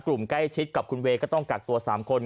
กลุ่มใกล้ชิดกับคุณเวย์ก็ต้องกักตัว๓คน